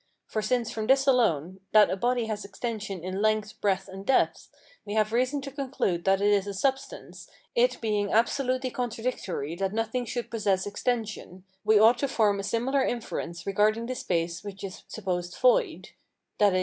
For since from this alone, that a body has extension in length, breadth, and depth, we have reason to conclude that it is a substance, it being absolutely contradictory that nothing should possess extension, we ought to form a similar inference regarding the space which is supposed void, viz.